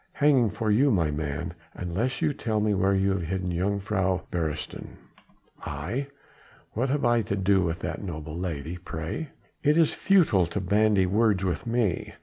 "Hanging for you, my man, unless you tell me where you have hidden Jongejuffrouw Beresteyn." "I? What have I to do with that noble lady, pray?" "It is futile to bandy words with me.